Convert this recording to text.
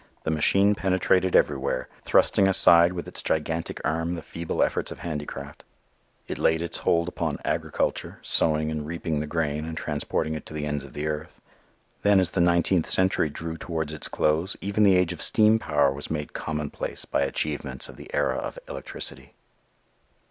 The machine penetrated everywhere, thrusting aside with its gigantic arm the feeble efforts of handicraft. It laid its hold upon agriculture, sowing and reaping the grain and transporting it to the ends of the earth. Then as the nineteenth century drew towards its close, even the age of steam power was made commonplace by achievements of the era of electricity.